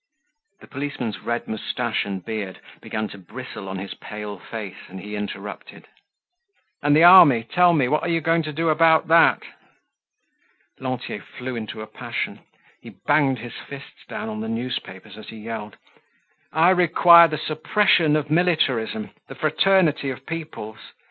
The policeman's red mustache and beard began to bristle on his pale face and he interrupted: "And the army, tell me, what are you going to do about that?" Lantier flew into a passion. He banged his fists down on the newspapers as he yelled: "I require the suppression of militarism, the fraternity of peoples.